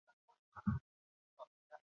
游戏中含有解密元素。